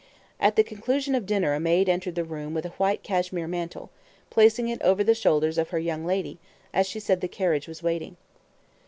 At the conclusion of dinner a maid entered the room with a white cashmere mantle, placing it over the shoulders of her young lady, as she said the carriage was waiting.